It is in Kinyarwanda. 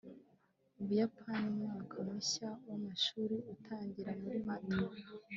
mu buyapani umwaka mushya w'amashuri utangira muri mata